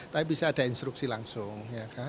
tapi bisa ada instruksi langsung